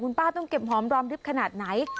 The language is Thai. ป้าต้องเก็บหอมรอมริบขนาดไหน